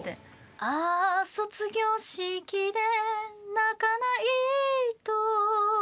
「ああ卒業式で泣かないと」